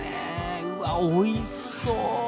うわおいしそう！